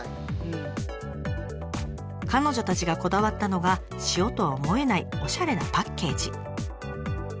彼女たちがこだわったのが塩とは思えないおしゃれなパッケージ。